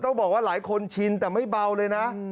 ต้องบอกว่าหลายคนชินแต่ไม่เบาเลยนะ